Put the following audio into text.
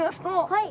はい！